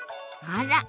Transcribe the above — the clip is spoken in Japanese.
あら。